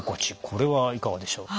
これはいかがでしょう？